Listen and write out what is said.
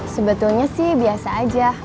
sebetulnya sih biasa aja